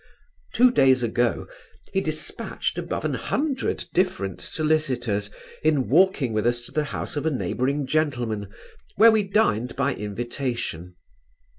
Two days ago, he dispatched above an hundred different sollicitors, in walking with us to the house of a neighbouring gentleman, where we dined by invitation.